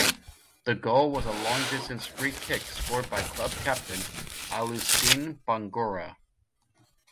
The goal was a long distance free-kick scored by club captain Alusene Bangura.